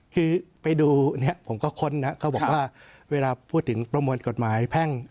คือไปดูเนี่ยผมก็ค้นนะเขาบอกว่าเวลาพูดถึงประมวลกฎหมายแพ่ง